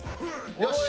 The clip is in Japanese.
よし。